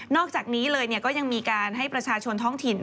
อกจากนี้เลยก็ยังมีการให้ประชาชนท้องถิ่น